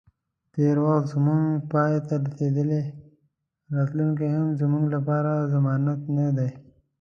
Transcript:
تیر وخت زمونږ پای ته رسیدلی، راتلونی هم زموږ لپاره ضمانت نه دی